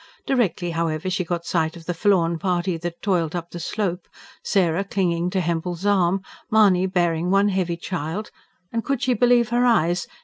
Directly, however, she got sight of the forlorn party that toiled up the slope: Sarah clinging to Hempel's arm, Mahony bearing one heavy child, and could she believe her eyes?